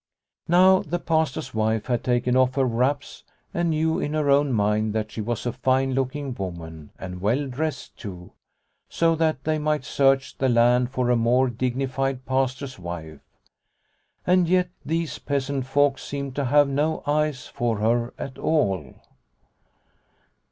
Now the Pastor's wife had taken off her wraps and knew in her own mind that she was a fine looking woman and well dressed too, so that they might search the land for a more dignified Pastor's wife. And yet these peasant folk seemed to have no eyes for her at all.